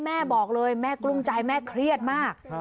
แม่บอกเลยแม่กลุ้งใจแม่เครียดมาก